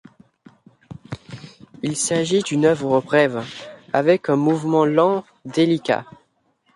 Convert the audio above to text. Il s'agit d'une œuvre brève, avec un mouvement lent délicat.